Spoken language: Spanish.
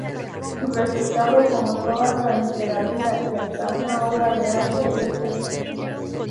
Su resultado, como toda la literatura y hasta una obra de arte, es pensamiento.